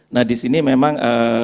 nah di sini memang